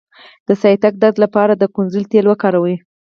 د سیاتیک درد لپاره د کونځلې تېل وکاروئ